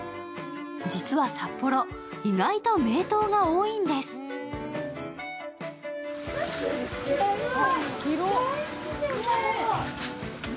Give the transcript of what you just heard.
実は札幌、意外と名湯が多いんです大自然。